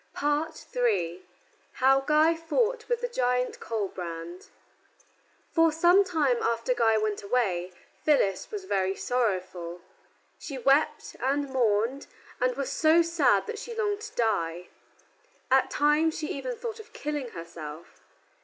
III HOW GUY FOUGHT WITH THE GIANT COLBRAND For some time after Guy went away Phyllis was very sorrowful. She wept and mourned, and was so sad that she longed to die. At times she even thought of killing herself.